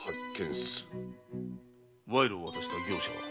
賄賂を渡した業者は？